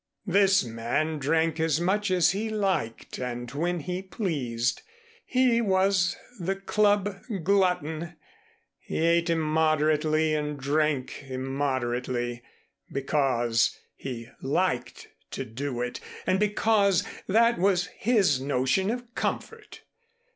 This man drank as much as he liked and when he pleased. He was the club glutton. He ate immoderately and drank immoderately, because he liked to do it, and because that was his notion of comfort.